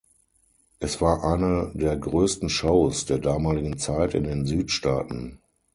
Es war eine der größten Shows der damaligen Zeit in den Südstaaten.